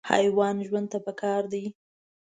حیوان ژوند ته پکار دی.